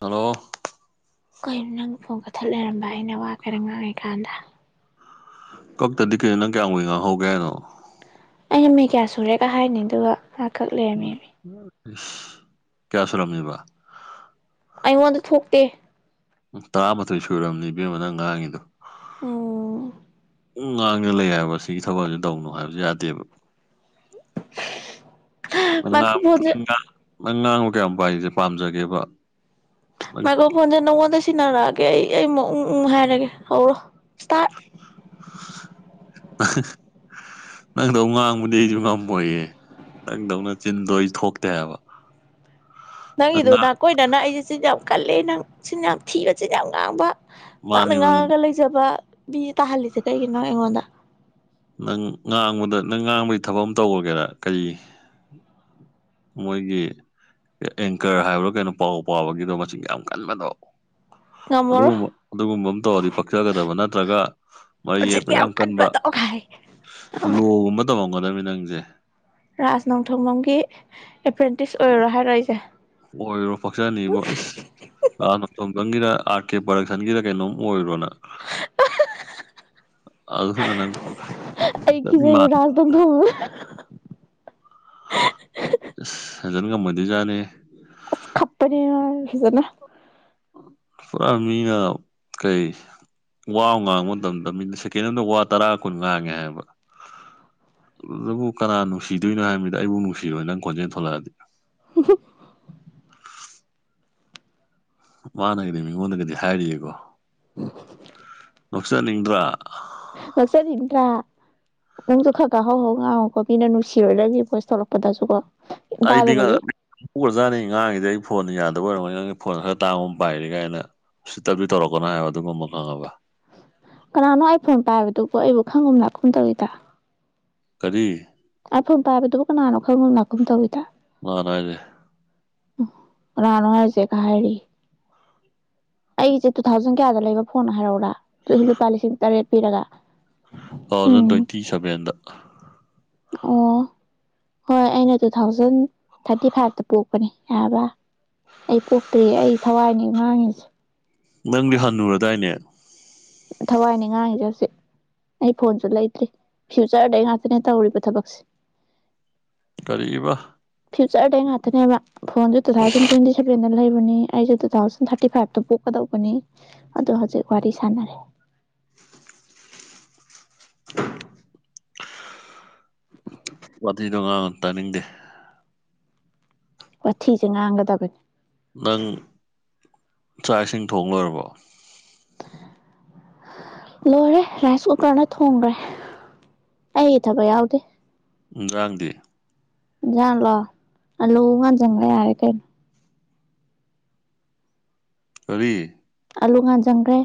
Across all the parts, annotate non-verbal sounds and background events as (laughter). Hello ꯀꯅꯣ ꯅꯪ phone ꯀꯛꯊꯠ ꯂꯩꯔꯝꯕ ꯑꯩꯅ ꯋꯥ ꯈꯔ ꯉꯥꯡꯉꯤꯀꯥꯟꯗ ꯀꯛꯇꯗꯤ ꯀꯩꯅꯣ ꯅꯪ ꯀꯌꯥꯝ ꯀꯨꯏ ꯉꯥꯡꯍꯧꯒꯦ ꯍꯥꯏꯅꯣ ꯃꯤ ꯀꯌꯥ ꯁꯨꯔꯦꯒ ꯍꯥꯏꯅꯤ ꯑꯗꯨꯒ ꯃꯥꯀꯛ ꯂꯩꯔꯝꯃꯦꯃꯤ ꯀꯌꯥ ꯁꯨꯔꯝꯃꯦꯕꯥ ꯑꯩꯉꯣꯟꯗ ꯊꯣꯛꯇꯦ ꯎ ꯇꯔꯥꯃꯥꯊꯣꯏ ꯁꯨꯔꯕꯅꯤ ꯏꯕꯦꯝꯃ ꯅꯪ ꯉꯥꯡꯉꯤꯗꯣ ꯑꯣ ꯎꯝ ꯉꯥꯡꯗ ꯂꯩ ꯍꯥꯏꯕ ꯁꯤꯒꯤ ꯊꯕꯛꯁꯦ ꯇꯧꯅꯣ ꯍꯥꯏꯕꯁꯨ ꯌꯥꯗꯦꯕ (unintelligible) ꯃꯥꯏꯀ꯭ꯔꯣꯐꯣꯟꯁꯦ ꯅꯪ ꯉꯥꯡꯕꯨ ꯀꯌꯥꯝ ꯄꯥꯏꯔꯤꯖꯦ ꯄꯥꯝꯖꯒꯦꯕ ꯃꯥꯏꯀ꯭ꯔ ꯐꯣꯟꯖꯦ ꯅꯪ ꯉꯣꯟꯗ ꯁꯤꯟꯅꯔꯛꯑꯒꯦ ꯑꯩ ꯑꯩꯃꯨꯛ ꯎꯪ ꯎꯪ ꯍꯥꯏꯔꯒꯦ ꯍꯧꯔꯒꯦ ꯏꯁꯇꯥꯔꯠ ꯅꯪꯗꯧ ꯉꯥꯡꯕꯗꯤ ꯑꯩꯁꯨ ꯉꯝꯃꯣꯏꯌꯦ ꯅꯪꯗꯧꯅ ꯆꯤꯟꯗꯣ ꯑꯩ ꯊꯣꯛꯇꯦꯕ ꯅꯪꯒꯤꯗꯨ ꯅꯥꯀꯣꯏꯅꯅ ꯑꯩꯁꯦ ꯆꯤꯟ ꯌꯥꯝ ꯀꯜꯂꯦ ꯅꯪ ꯆꯤꯟ ꯌꯥꯝ ꯊꯤꯕ ꯆꯤꯟ ꯌꯥꯝ ꯉꯥꯡꯕ ꯉꯥꯡꯉ ꯃꯥꯅꯤ ꯃꯥꯅꯤ ꯉꯥꯡꯉꯒ ꯂꯩꯖꯕ ꯕꯤ ꯇꯥꯍꯜꯂꯤꯁꯦ ꯀꯩꯒꯤꯅꯣ ꯑꯩꯉꯣꯟꯗ ꯅꯪ ꯉꯥꯡꯕꯗ ꯅꯪ ꯉꯥꯡꯕꯩ ꯊꯕꯛ ꯑꯃ ꯇꯧꯔꯒꯦꯔ ꯀꯔꯤ ꯃꯣꯏꯒꯤ ꯑꯦꯡꯀꯔ ꯍꯥꯏꯕ꯭ꯔꯣ ꯀꯩꯅꯣ ꯄꯥꯎ ꯄꯥꯕꯒꯤꯗꯣ ꯃꯆꯤꯟꯒ ꯌꯥꯝ ꯀꯟꯕꯗꯣ ꯉꯝꯃꯔꯣꯏ ꯑꯗꯨꯒꯨꯝꯕ ꯑꯗꯨꯒꯨꯝꯕ ꯑꯃ ꯇꯧꯔꯗꯤ ꯄꯛꯆꯒꯗꯕ ꯅꯠꯇ꯭ꯔꯒ ꯃꯔꯩ ꯃꯆꯤꯟ ꯌꯦꯠꯄ ꯌꯥꯝ ꯀꯟꯕ ꯀꯟꯕꯗꯣ ꯀꯥꯏ ꯂꯣ ꯒꯨꯝꯕ ꯇꯝꯃꯝꯒꯗꯝꯅꯤ ꯅꯪꯁꯦ ꯔꯥꯥꯁ ꯅꯣꯡꯊꯣꯡꯕꯝꯒꯤ ꯑꯦꯄ꯭ꯔꯦꯟꯇꯤꯁ ꯑꯣꯏꯔꯣ ꯍꯥꯏꯔꯣ ꯑꯩꯁꯦ ꯑꯣꯏꯔꯣ ꯄꯛꯆꯅꯤꯕꯣ ꯏꯁ ꯔꯥꯁ ꯅꯣꯡꯊꯣꯡꯕꯪꯒꯤꯗ ꯑꯥꯔ ꯀꯦ ꯄ꯭ꯔꯗꯛꯁꯟꯒꯤꯗ ꯀꯩꯅꯣꯝ ꯑꯣꯏꯔꯣꯅꯪ ꯑꯩ ꯀꯤꯖꯩ ꯔꯥꯖ (unintelligible) ꯅꯣꯡꯊꯣꯝꯕꯝ (unintelligible) ꯍꯦꯟꯖꯟ ꯉꯝꯃꯣꯏꯗꯣꯏ ꯖꯥꯅꯤ ꯑꯁ ꯈꯞꯄꯅꯤ ꯃꯥ ꯐꯖꯅ ꯄꯨꯔꯥ ꯃꯤꯅ ꯀꯩ ꯋꯥ ꯉꯥꯡꯕ ꯃꯇꯝꯗ ꯃꯤꯅ ꯁꯦꯀꯦꯟ ꯑꯃꯗ ꯋꯥ ꯇꯔꯥ ꯀꯨꯟ ꯉꯥꯡꯉꯦ ꯍꯥꯏꯕ ꯑꯗꯨꯕꯨ ꯀꯅꯥ ꯅꯨꯡꯁꯤꯗꯣꯏꯅꯣ ꯍꯥꯏꯕ ꯃꯤꯗ ꯑꯩꯕꯨ ꯅꯨꯡꯁꯤꯔꯣꯏ ꯅꯪ ꯈꯣꯟꯖꯦꯜ ꯊꯣꯛꯂꯛꯑꯗꯤ ꯃꯥꯅꯒꯗꯤ ꯃꯤꯉꯣꯟꯗꯒꯗꯤ ꯍꯥꯏꯔꯤꯑꯀꯣ ꯅꯣꯛꯆꯅꯤꯡꯗ꯭ꯔꯥ ꯉꯥꯛꯆꯅꯤꯡꯗ꯭ꯔꯥ ꯅꯪꯁꯨ ꯈꯔ ꯀꯥꯍꯧꯍꯧ ꯉꯥꯡꯉꯨꯀꯣ ꯃꯤꯅ ꯅꯨꯡꯁꯤꯔꯣꯏ ꯅꯪꯒꯤ ꯚꯣꯏꯁ ꯊꯣꯛꯂꯛꯄꯗꯁꯨ ꯀꯣ ꯑꯩꯗꯤ ꯍꯧꯒ꯭ꯔꯖꯥꯅꯤ ꯑꯩꯅ ꯉꯥꯡꯉꯤꯁꯤ ꯑꯩ ꯐꯣꯟꯅ ꯌꯥ ꯑꯗꯨ ꯑꯣꯏꯔꯝꯒꯅꯤ ꯅꯪꯒꯤ ꯐꯣꯟ ꯈꯔ ꯇꯥꯡꯕ ꯑꯃ ꯄꯥꯏꯔꯦꯒꯥꯏꯅ ꯎꯁꯤꯠꯇꯕꯗꯤ ꯇꯧꯔꯛꯀꯅꯣ ꯍꯥꯏꯕ ꯑꯗꯨꯒꯨꯝꯕ ꯈꯪꯉꯕ꯫ ꯄꯣ ꯑꯩꯕꯨ ꯈꯪꯒꯨꯝ ꯂꯥꯛꯀꯨꯝ ꯇꯧꯋꯤꯗ꯫ ꯀꯔꯤ꯫ ꯑꯥꯏ ꯐꯣꯟ ꯄꯥꯏꯕꯗꯨꯕꯨ ꯀꯅꯥꯥꯅꯣ ꯈꯪꯒꯨꯝ ꯂꯥꯀꯨꯝ ꯇꯧꯏꯗꯥ꯫ ꯑꯅꯥꯏꯗꯦ꯫ ꯀꯅꯥꯅꯣ ꯍꯥꯏꯖꯦ ꯀꯥ ꯍꯥꯏꯔꯤ꯫ ꯑꯩꯒꯤꯁꯦ ꯇꯨ ꯊꯥꯎꯖꯟ ꯀꯌꯥꯗ ꯂꯩꯕ ꯐꯣꯟ ꯍꯥꯏꯔꯛꯎꯔꯥ ꯑꯗꯨꯁꯨ ꯂꯨꯄꯥ ꯂꯤꯁꯤꯡ ꯇꯔꯦꯠ ꯄꯤꯔꯒ꯫ ꯇꯨ ꯊꯥꯎꯖꯟ ꯎꯝ ꯇ꯭ꯋꯦꯟꯇꯤ ꯁꯚꯦꯟꯗ꯫ ꯑꯣ ꯍꯣꯏ ꯑꯩꯅ ꯇꯨ ꯊꯥꯎꯖꯟ ꯊꯥꯔꯇꯤ ꯐꯥꯏꯚꯇ ꯄꯣꯛꯄꯅꯦ ꯌꯥꯔꯕ ꯑꯩ ꯄꯣꯛꯇ꯭ꯔꯤ ꯑꯩ ꯊꯋꯥꯏꯅꯤ ꯉꯥꯡꯉꯤꯁꯦ꯫ ꯅꯪꯗꯤ ꯍꯟꯅꯨꯔꯗꯥꯏꯅꯦ꯫ ꯊꯋꯥꯏꯅꯤ ꯉꯥꯡꯉꯤꯁꯦ ꯍꯧꯁꯤꯛ ꯑꯩ ꯐꯣꯟꯁꯨ ꯂꯩꯗ꯭ꯔꯤ ꯐ꯭ꯌꯨꯆꯔꯗꯩ ꯉꯥꯛꯇꯅꯦ ꯇꯧꯔꯤꯕ ꯊꯕꯛꯁꯦ꯫ ꯀꯔꯤꯕ꯫ ꯆ꯭ꯔꯗꯩ (unintelligible) ꯉꯥꯛꯇꯅꯦꯕ꯫ ꯐꯣꯟꯁꯨ ꯇꯨ ꯊꯥꯎꯖꯟ ꯇ꯭ꯋꯦꯟꯇꯤ ꯁꯚꯦꯟꯗ ꯂꯩ꯫ ꯕꯅꯤ ꯑꯩꯁꯨ ꯇꯨ ꯊꯥꯎꯖꯟ ꯊꯥꯔꯇꯤ ꯐꯥꯏꯚꯇ ꯄꯣꯛꯀꯗꯧꯕꯅꯤ ꯑꯗꯣ ꯍꯧꯖꯤꯛ ꯋꯥꯔꯤ ꯁꯥꯟꯅꯔꯦ꯫ ꯋꯥꯊꯤꯗꯣ ꯉꯥꯡꯉꯅꯣ ꯇꯥꯅꯤꯡꯗꯦ꯫ ꯋꯥꯊꯤꯁꯦ ꯉꯥꯡꯒꯗꯕꯅꯦ꯫ ꯅꯪ ꯆꯥꯛ ꯏꯁꯤꯡ ꯊꯣꯡꯂꯣꯏꯔꯕꯣ꯫ ꯂꯣꯏꯔꯦ ꯔꯥꯏꯁ ꯀꯨꯀꯔꯅ ꯊꯣꯡꯈ꯭ꯔꯦ ꯑꯩ ꯊꯕꯛ ꯌꯥꯎꯗꯦ꯫ ꯉꯔꯥꯡꯗꯤ꯫ ꯢꯟꯖꯥꯡꯂꯣ ꯑꯂꯨ ꯑꯃ ꯉꯥꯟꯖꯟꯒ꯭ꯔꯦ ꯌꯥꯔꯦ ꯀꯩꯅꯣ꯫ ꯀꯔꯤ꯫ ꯑꯥꯂꯨ ꯉꯥꯟꯖꯪꯈ꯭ꯔꯦ꯫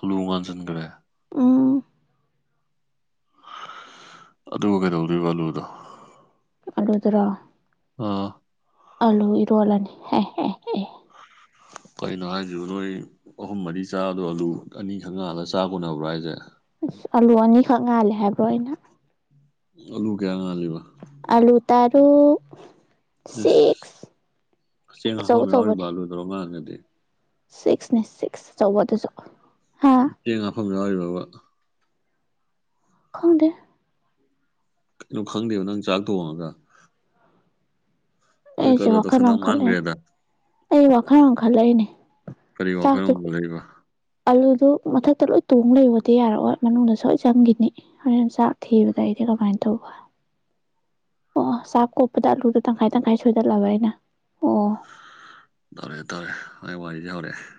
ꯑꯂꯨꯉꯥꯟꯁꯟꯒ꯭ꯔꯦ꯫ ꯎꯝ ꯑꯗꯨꯒ ꯀꯩꯗꯧꯗꯣꯏꯕ ꯑꯂꯨꯗꯣ꯫ ꯑꯂꯨꯗꯨꯔꯣ꯫ ꯑꯥ꯫ ꯑꯜꯂꯨ ꯏꯔꯣꯜꯂꯅꯤ ꯍꯦꯍꯦꯍꯦ꯫ ꯀꯩꯅꯣ ꯍꯥꯏꯁꯤꯕꯨ ꯅꯣꯏ ꯑꯍꯨꯝ ꯃꯔꯤ ꯆꯥꯗꯣ ꯑꯂꯨ ꯑꯅꯤꯈꯛ ꯉꯥꯜꯂꯒ ꯆꯥꯀꯣꯟꯅꯕ꯭ꯔꯣ ꯍꯥꯏꯁꯦ꯫ ꯑꯁ ꯑꯂꯨ ꯑꯅꯤꯈꯛ ꯉꯥꯜꯂꯦ ꯍꯥꯏꯕ꯭ꯔꯣ ꯑꯩꯅ꯫ ꯑꯂꯨ ꯀꯌꯥ ꯉꯥꯜꯂꯤꯕ꯫ ꯑꯂꯨ ꯇꯔꯨꯛ꯫ ꯁꯤꯛꯁ ꯏꯁ ꯆꯦꯡ ꯑꯆꯧ ꯍꯥꯐꯝ ꯑꯆꯧꯕꯅꯦ ꯌꯥꯎꯔꯤꯕ ꯑꯂꯨꯗꯣ (unintelligible) (unintelligible) ꯑꯗꯨ ꯁꯤꯛꯁꯅꯦ ꯁꯤꯛꯁ ꯑꯆꯧꯕ ꯑꯗꯨꯁꯨ꯫ ꯆꯦꯡ ꯍꯥꯐꯝ ꯌꯥꯎꯔꯤꯕ꯭ꯔꯕ꯫ ꯈꯪꯗꯦ꯫ ꯀꯩꯅꯣ ꯈꯪꯗꯦꯕ ꯅꯪ ꯆꯥꯛ ꯊꯣꯡꯉꯒ꯫ ꯑꯗꯨꯗꯤ ꯑꯩꯁꯦ ꯀꯗꯔ ꯋꯥꯈꯜ ꯑꯝ ꯇꯧꯁꯟꯅꯕ ꯈꯜꯂꯤꯅꯦ ꯃꯥꯟꯈ꯭ꯔꯦꯗ ꯑꯩ ꯋꯥꯈꯟ ꯑꯃ꯫ ꯈꯜꯂꯛꯏꯅꯦ꯫ ꯀꯔꯤ ꯋꯥꯈꯟꯃꯨꯛ ꯈꯜꯛꯏꯕ꯫ ꯑꯂꯨꯗꯨ ꯃꯊꯛꯇ ꯂꯣꯏ ꯇꯣꯡ ꯂꯩꯌꯣꯗꯤ ꯌꯥꯔꯛꯑꯣꯏ ꯃꯅꯨꯡꯗ ꯁꯣꯏ ꯆꯪꯈꯤꯅꯤ ꯍꯣꯔꯦꯟ ꯆꯥꯛ ꯊꯤꯕꯗ ꯑꯩꯗꯤ ꯀꯃꯥꯏꯅ ꯇꯧꯕ꯫ ꯑꯣ ꯆꯥꯛ ꯀꯣꯠꯄꯗ ꯑꯥꯂꯨꯗꯣ ꯇꯪꯈꯥꯏ ꯇꯪꯈꯥꯏ ꯁꯣꯏꯗꯠꯂꯕ ꯑꯩꯅ ꯑꯣ꯫ ꯇꯧꯔꯛꯑꯦ ꯇꯧꯔꯦ ꯃꯥꯏ ꯋꯥꯔꯤꯁꯦ ꯍꯧꯔꯛꯑꯦ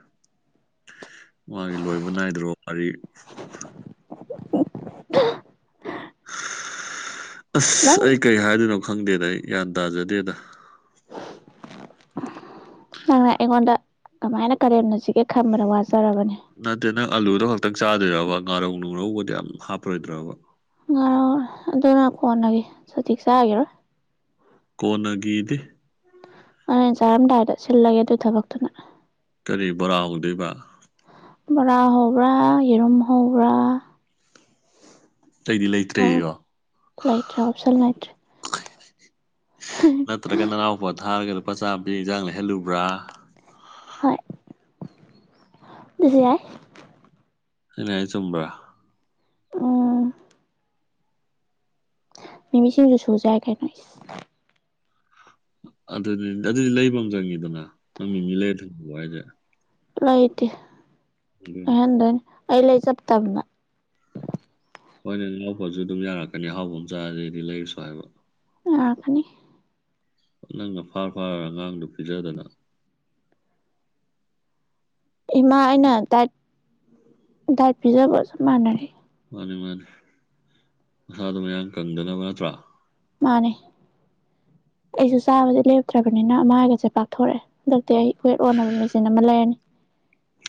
ꯃꯥꯒꯤ ꯂꯣꯏꯕ ꯅꯥꯏꯗ꯭ꯔꯕ ꯋꯥꯔꯤ꯫ (inaudible) ꯑꯁ ꯅꯪ ꯑꯩ ꯀꯩ ꯍꯥꯏꯗꯣꯏꯅꯣ ꯈꯪꯗꯦꯗ ꯑꯩ ꯒ꯭ꯌꯥꯟ ꯇꯥꯖꯗꯦꯗ ꯅꯪꯅ ꯑꯩꯉꯣꯟꯗ ꯀꯃꯥꯏꯅ ꯀꯔꯦꯝꯅꯁꯤꯒꯦ ꯈꯟꯕꯗ ꯋꯥꯖꯔꯕꯅꯤ ꯅꯠꯇꯦ ꯅꯪ ꯑꯂꯨꯗꯣ ꯈꯛꯇꯪ ꯆꯥꯗꯣꯏꯔꯕ ꯉꯥꯔꯧ ꯅꯨꯡꯔꯧꯒꯗꯤ ꯑꯝ ꯍꯥꯞꯄꯔꯣꯏꯗ꯭ꯔꯕ ꯑꯗꯨꯅ ꯀꯣꯟꯅꯒꯦ ꯍꯧꯖꯤꯛ ꯆꯥꯒꯤꯔꯣ ꯀꯣꯅꯒꯗꯤ ꯍꯣꯔꯦꯟ ꯆꯥꯔꯝꯗꯥꯏꯗꯥ ꯁꯤꯜ ꯂꯥꯒꯦ ꯑꯗꯨ ꯊꯕꯇꯨꯅ ꯀꯔꯤꯕꯣꯔꯥ ꯍꯧꯗꯣꯏꯕꯥ ꯕꯣꯔꯥ ꯍꯧꯕ꯭ꯔꯥ ꯌꯦꯔꯨꯝ ꯍꯧꯕ꯭ꯔꯥ ꯑꯇꯩꯗꯤ ꯂꯩꯇ꯭ꯔꯦꯌꯣ ꯂꯩꯇ꯭ꯔꯦ ꯑꯣꯞꯁꯟ ꯂꯩꯇ꯭ꯔꯦ ꯅꯠꯇ꯭ꯔꯒ ꯅꯅꯥꯎꯄ ꯊꯥꯔꯒ ꯂꯨꯄꯥ ꯆꯥꯝꯕꯤ ꯌꯦꯟꯖꯥꯡꯅ ꯍꯦꯜꯂꯨꯕ꯭ꯔꯥ ꯍꯣꯏꯖꯥꯏ ꯑꯏ ꯆꯨꯝ꯭ꯔꯥ ꯑꯣ ꯃꯤꯃꯤꯁꯤꯡꯁꯨ ꯁꯖꯥꯏ ꯀꯥꯏꯅ ꯑꯗꯨ ꯑꯗꯨꯗꯤ ꯂꯩꯕ ꯑꯃ ꯆꯪꯉꯤꯗꯅ ꯅꯪ ꯃꯤ ꯃꯤ ꯂꯩꯔ ꯊꯣꯏꯕꯕ ꯍꯥꯏꯁꯦ ꯂꯩꯥꯏꯇ ꯑꯗꯨꯅꯤ ꯍꯍꯗꯅꯤ ꯑꯂ ꯆꯞ ꯇꯕꯅ ꯍꯣꯏꯅꯦ ꯂꯍꯥꯎꯕꯁꯨ ꯑꯗꯨꯝ ꯌꯥꯔꯛꯀꯅꯤ ꯑꯍꯥꯎꯕ ꯑꯃ ꯆꯥꯗꯩꯗꯤ ꯂꯩꯔꯁꯨ ꯍꯥꯏꯕ ꯑ ꯈꯅꯤ ꯅꯪꯒ ꯐꯥꯔ ꯐꯥꯔꯒ ꯑꯉꯥꯡꯗꯨ ꯄꯤꯖꯗꯅ ꯏꯃꯥ ꯑꯩꯅ ꯗꯥꯏꯠ ꯗꯥꯏꯠ ꯄꯤꯖꯕꯁꯨ ꯃꯥꯟꯅꯔꯤ ꯃꯥꯅꯤ ꯃꯥꯅꯤ ꯃꯁꯥꯗꯣ ꯃꯌꯥꯝ ꯀꯪꯗꯅꯕ ꯅꯠꯇ꯭ꯔꯥ ꯃꯥꯅꯦ ꯑꯩꯁꯨ ꯆꯥꯕꯗꯤ ꯂꯦꯞꯇ꯭ꯔꯕꯅꯤꯅ ꯑꯃꯒꯁꯦ ꯄꯥꯛꯊꯣꯔꯛꯑꯦ ꯍꯟꯗꯛꯇꯤ ꯑꯩ ꯋꯦꯠ ꯑꯣꯟꯅꯕ ꯃꯦꯆꯤꯟ ꯑꯃ ꯂꯩꯔꯅꯤ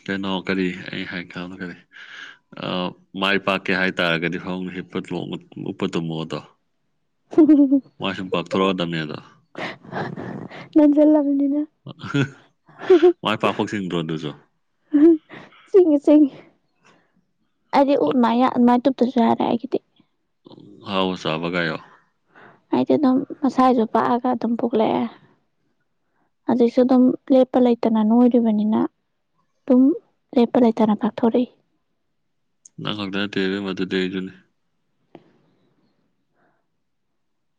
ꯀꯩꯅꯣ ꯀꯔꯤ ꯑꯩ ꯍꯥꯏ ꯈꯥꯟꯗꯣ ꯀꯔꯤ ꯃꯥꯏ ꯄꯥꯛꯀꯦ ꯍꯥꯏꯇꯥꯔꯒꯗꯤ ꯐ ꯍꯤꯞꯄ ꯎꯞꯄ ꯇꯨꯝꯃꯣꯗꯣ ꯃꯥꯏ ꯁꯨꯝ ꯄꯥꯛꯊꯣꯔꯛꯑꯗꯕꯅꯦꯗ ꯅꯟꯖꯜꯂꯕꯅꯤꯅ ꯃꯥꯏ ꯄꯥꯛꯐꯣꯛ ꯆꯤꯡꯗ꯭ꯔꯣ ꯑꯗꯨꯁꯨ ꯆꯤꯡꯉꯤ ꯆꯤꯡꯉꯤ ꯑꯩꯗꯤ ꯎ ꯃꯥꯏ ꯇꯨꯞꯞꯇꯁꯨ ꯌꯥꯔꯦ ꯑꯩꯒꯤꯗꯤ ꯍꯥꯎ ꯁꯥꯕꯒꯣ ꯑꯩꯗꯤ ꯑꯗꯨꯝ ꯃꯁꯥꯁꯨ ꯄꯥꯛꯑꯒ ꯑꯗꯨꯝ ꯄꯣꯛꯂꯛꯑꯦ ꯑꯗꯨꯛꯁꯨ ꯑꯗꯨꯝ ꯂꯦꯞꯄ ꯂꯩꯇꯅ ꯅꯣꯏꯔꯤꯕꯅꯤꯅ ꯑꯗꯨꯝ ꯂꯦꯞꯄ ꯂꯩꯇꯅ ꯄꯥꯛꯊꯣꯔꯛꯏ ꯅ ꯈꯛꯗꯔ ꯃꯗꯨꯗꯖꯨꯅꯤ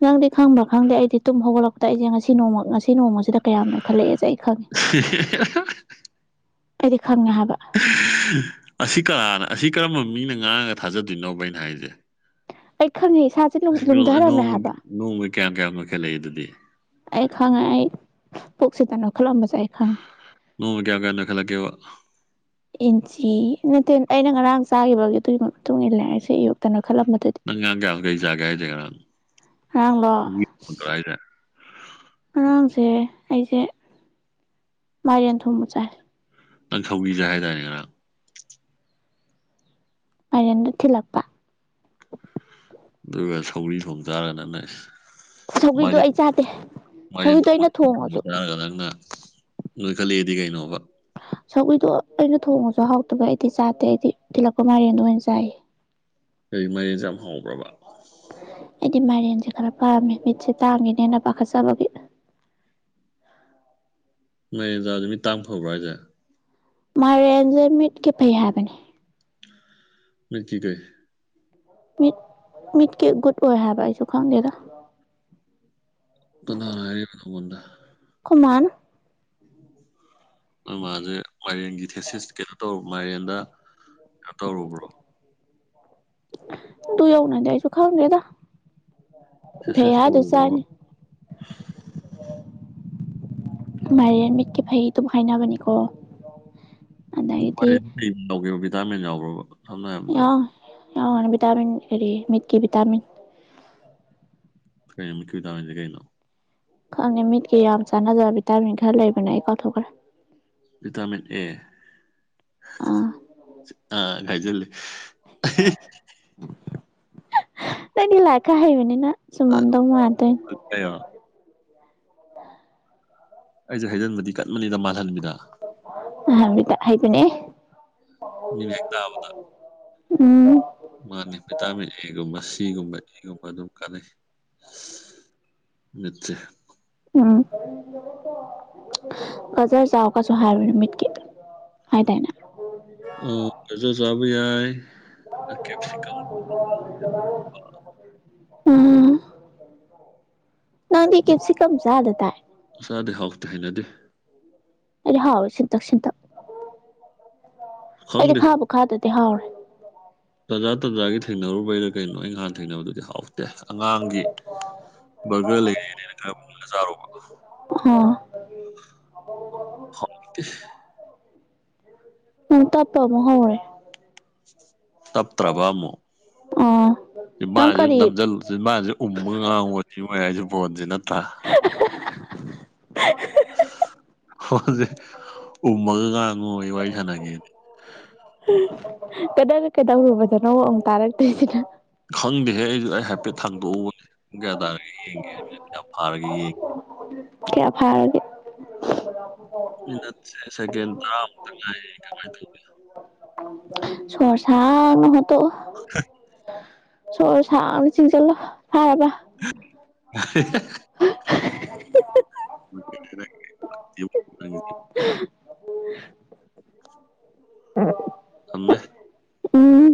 ꯅꯪꯗꯤ ꯈꯪꯕ꯭ꯔꯥ ꯈꯪꯗꯦ ꯑꯩꯗꯤ ꯇꯨꯝ ꯍꯧꯒꯠꯂꯛꯄꯗ ꯑꯩꯁꯦ ꯉꯁꯤ ꯅꯣꯡ ꯉꯁꯤ ꯅꯣꯡꯃꯁꯤꯗ ꯀꯌꯥꯝꯣꯜꯂꯛꯑꯦꯩꯅ ꯍ ꯑꯩꯗꯤ ꯈꯪꯉꯦ ꯍꯥꯏꯕ ꯑꯁꯤ ꯀꯅꯥꯥꯅ ꯑꯁꯤ ꯀꯔꯝꯕ ꯃꯤꯅ ꯉꯥꯡꯉꯒ ꯊꯥꯖꯗꯣꯏꯅꯣꯕꯩꯅ ꯍꯥꯏꯁꯦ ꯑꯩ ꯈꯪꯉꯁꯤ ꯣꯡ ꯅꯣꯡ ꯀꯌꯥꯝ ꯀꯌꯥꯝ ꯍꯥꯏꯥꯏꯈꯠꯂꯛꯑꯦ ꯑꯗꯨꯗꯤ ꯑꯩ ꯈꯪꯉꯦ ꯑꯩ ꯄꯨꯛꯁꯤꯗ ꯅꯈꯠꯂꯝꯕꯁꯦ ꯑꯩ ꯈꯪꯉꯦ ꯀꯌꯥ ꯀꯌꯥ ꯅ ꯈꯂꯒꯦ ꯋꯥ ꯏꯟꯆꯤ ꯅꯠꯇꯦ ꯑꯩꯅ ꯉꯔꯥꯡ ꯆꯥꯈꯤꯕꯒꯤ ꯑꯗꯨꯒꯤ ꯃꯇꯨꯡ ꯏꯟꯅ ꯂꯥꯏꯔꯤꯛꯁꯦ ꯑꯌꯨꯛꯇꯅ ꯈꯜꯂꯝꯕꯗꯗꯤ ꯅꯪ ꯉꯔꯥꯡ ꯀꯌꯥꯝ ꯀꯩ ꯆꯥꯒꯦ ꯍꯥꯏꯁꯦ ꯉꯔꯥꯡ ꯉꯔꯥꯡꯗꯣ ꯑ ꯁꯧꯒ꯭ꯔꯤ ꯊꯣꯡꯗ꯭ꯔꯣ ꯍꯥꯏꯁꯦ ꯉꯔꯥꯡꯁꯦ ꯑꯩꯁꯦ ꯃꯥꯏꯔꯦꯟ ꯊꯣꯡꯕ ꯆꯥꯏ ꯅꯪ ꯁꯧꯒꯔ꯭ꯤꯆꯥꯏ ꯍꯥꯏꯇꯥꯔꯦꯅꯦ ꯉꯔꯥꯡ ꯑꯔꯦꯟꯗꯨ ꯊꯤꯂꯄ (unintelligible) ꯆꯥꯔꯒ ꯅꯪꯅ ꯁꯧꯒ꯭ꯔꯤꯗꯣ ꯃꯗꯤ ꯑꯩ ꯆꯥꯗꯦ ꯃꯥꯏꯗꯤꯡ ꯁꯧꯒ꯭ꯔꯤꯗꯣ ꯑꯩꯅ ꯊꯣꯡꯕ ꯊꯣꯡꯉꯁꯨ ꯆꯥꯔꯒ ꯅꯪꯅ ꯅꯣꯏ ꯈꯜꯂꯛꯦꯗꯤ ꯀꯩꯅꯣꯕ ꯁꯒꯏꯗꯣ ꯑꯩꯅ ꯊꯣꯡꯉꯁꯨ ꯍꯥꯎꯇꯕ ꯑꯩꯗꯤ ꯆꯥꯗꯦ ꯑꯩꯗꯤ ꯇꯤꯜꯂꯛꯄ ꯃꯥꯏꯔꯦꯟꯗꯣ ꯑꯣꯏꯅ ꯆꯥꯏ ꯀꯩ ꯃꯔꯦꯟ ꯌꯥꯝ ꯍꯥꯎꯧꯕ꯭ꯔꯕ ꯑꯩꯗꯤ ꯃꯥꯏꯔꯦꯟꯁꯦ ꯈꯔ ꯄꯥꯝꯃꯦ ꯃꯤꯠꯁꯦ ꯇꯥꯡꯉꯦꯅꯦ ꯍꯦꯅ ꯄꯥꯈꯠꯆꯕꯒꯤ ꯃꯣꯏꯗ ꯅꯨꯃꯤꯠ ꯇꯡ ꯐꯕ꯭ꯔꯥ ꯍꯥꯏꯁꯦ ꯃꯔꯦꯟꯁꯦ ꯃꯤꯠꯀꯤ ꯐꯩ ꯍꯥꯏꯕꯅꯦ ꯃꯇꯤ ꯀꯩ ꯃꯤꯠ ꯃꯤꯠꯀꯤ ꯒꯨꯗ ꯑꯣꯏ ꯍꯥꯏꯕ ꯑꯩꯁꯨ ꯈꯪꯗꯦꯗ ꯀꯅꯥ ꯍꯥꯏꯔ ꯅꯥꯉꯣꯜꯗ ꯑꯩꯈꯣꯏ ꯃꯥꯅ ꯅꯣꯏ ꯃꯥꯁꯦ ꯃꯥꯏꯔꯦꯟꯒꯤ ꯊꯦꯁꯤꯁ ꯀꯩꯅꯣ ꯇꯧꯔ ꯃꯥꯏꯔꯦꯟꯗ ꯀꯩꯅꯣ ꯇꯧꯔꯨꯕ꯭ꯔꯣ ꯇꯨ ꯌꯎꯅ ꯌꯥꯏꯁꯨ ꯈꯥꯎꯗꯦꯗ ꯁꯛꯁꯦꯁ ꯇꯧꯔꯕ꯭ꯔꯕ ꯃꯦꯟ ꯃꯤꯠꯀꯤꯦ ꯐꯩ ꯑꯗꯨꯝ ꯍꯥꯏꯥꯏꯅꯕꯅꯤꯀꯣ ꯔꯦ ꯂꯩ ꯂꯧꯒꯦ ꯗꯥꯇꯥꯔꯃꯦꯟ ꯌꯥꯎꯈ꯭ꯔꯕ ꯊꯝꯅ ꯑꯗ ꯑ ꯕꯤꯇꯥꯃꯤꯤꯟ ꯑꯦꯔꯤ ꯃꯤꯠꯀꯤ ꯕꯤꯇꯥꯃꯤꯤꯟ ꯀꯩꯅꯃꯤ ꯀ ꯇꯥꯕꯁꯦ ꯀꯩꯅꯣ ꯈꯪꯉꯦ ꯃꯤꯠꯀꯤ ꯌꯥꯝ ꯆꯥꯟꯅꯗꯕ ꯚꯤꯇꯥꯃꯤꯟ ꯈꯔ ꯂꯩꯕꯅꯦ ꯑꯩ ꯀꯥꯎꯊꯣꯛꯈ꯭ꯔꯦ ꯚꯤꯇꯥꯃꯤꯟ ꯑꯦ ꯑꯥ (unintelligible) ꯒꯥꯏꯖꯦ (unintelligible) (unintelligible) ꯇꯅꯤ ꯂꯥꯛ ꯀꯥ ꯍꯍꯤ ꯃꯅꯤ ꯅ (unintelligible) ꯁꯨꯃꯥꯡꯗꯉ ꯌꯥ ꯇ (unintelligible) (unintelligible) ꯀꯩꯅꯣ ꯑꯩꯁꯨ ꯍꯩꯖꯟꯕꯗꯤ ꯀꯠꯃꯅꯤꯗ ꯃꯥꯜꯍꯟꯅꯤꯡꯗ (unintelligible) (unintelligible) ꯃꯤꯅ ꯍꯦꯛ ꯇꯥꯕ (unintelligible) ꯎꯝ ꯃꯥꯅꯤ ꯚꯤꯇꯥꯃꯤꯟ ꯑꯦꯒꯨꯝꯕ ꯁꯤꯒꯨꯝꯕ ꯏꯒꯨꯝꯕ ꯑꯗꯨꯝ ꯀꯥꯟꯅꯩ (inaudible) ꯅꯠꯇꯦ ꯎꯝ ꯒꯖꯔ ꯆꯥꯎꯒꯁꯨ ꯍꯥꯏꯕꯅ‌‌ꯦ ꯃꯤꯠꯀꯤ ꯍꯥꯏꯗꯥꯏꯅꯦ ꯑꯣꯖ ꯎꯈ ꯌꯥꯏ ꯀꯦꯞꯁꯨ (unintelligible) ꯎꯝ ꯅꯪꯗꯤ ꯀꯞꯁꯤ ꯀꯝꯖꯥꯗ ꯇꯥꯏ ꯈꯔꯗꯤ ꯍꯥꯎꯇꯦ ꯍꯩꯅꯗꯦ ꯑ ꯍꯥꯎ ꯆꯤ ꯆꯤꯟꯊ ꯑꯩꯗꯤ ꯈꯥꯕꯣ ꯈꯥꯗꯦ ꯊꯤ ꯍꯥꯎꯔꯦ ꯇꯥꯖꯥ ꯇꯥꯖꯥꯒꯤ ꯊꯦꯡꯅꯔꯨꯕꯩꯗ ꯀꯩꯅꯣ ꯑꯩꯩꯅꯍꯥꯟ ꯊꯦꯡꯅꯕꯗꯨꯗꯤ ꯍꯥꯎꯦ ꯑꯦ ꯑꯉꯥꯡꯒꯤ ꯕꯔꯒꯔ ꯂꯩꯔꯛꯑꯦꯅ ꯈꯔꯥ ꯃꯨꯜꯂꯒ ꯆꯔꯨꯕ (unintelligible) ꯎꯝ ꯇꯞꯇ꯭ꯔꯕ ꯑꯃꯨꯛ ꯑꯣ ꯁꯤ ꯅꯪ ꯃꯥꯁꯦ ꯀꯔꯤ ꯅꯝꯁꯤꯜꯂꯨꯁꯤ ꯃꯥꯁꯦ ꯎꯃ ꯉꯥꯡꯉꯨꯔ ꯁꯤ ꯃꯣꯏ ꯍꯥꯏꯁꯤ ꯄꯣꯖꯤꯅ ꯄꯥ (unintelligible) ꯍꯁꯦ ꯎꯃꯒꯒꯉ ꯑꯩ ꯋꯥꯔꯤ ꯁꯅꯒꯦꯅꯤ ꯀꯗ ꯀꯩꯗꯧꯔꯨꯕꯗꯣꯅꯣ ꯃꯛ ꯇꯥꯔꯛꯇ꯭ꯔꯤꯁꯤꯅ ꯈꯪꯗꯦꯍꯦ ꯑꯩ ꯑꯩ ꯍꯥꯏꯐꯦꯠ ꯊꯥꯡꯗꯣꯛꯎꯕ ꯒ꯭ꯌꯥ ꯇꯥꯔꯒ ꯌꯦꯡꯉꯦ ꯌꯥꯝ ꯐꯥꯔꯒ ꯌꯦꯡꯉꯦ ꯀꯌꯥ ꯐꯥꯔꯒ ꯃꯤꯅꯠꯁꯦ ꯁꯦꯀꯦꯟ ꯇꯔꯥꯃꯉꯥꯏ (unintelligible) ꯆꯔꯁꯥꯅ ꯍ ꯇꯣ ꯆ ꯁꯅ ꯆꯤꯡ ꯆꯂꯣ ꯐꯝ ꯑ (unintelligible) ꯑꯣ ꯎ ꯑꯃꯦ ꯎꯝ